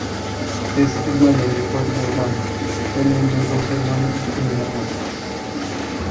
Es el mayor de cuatro hermanos, teniendo dos hermanos y una hermana.